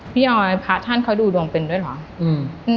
ออยพระท่านเขาดูดวงเป็นด้วยเหรอ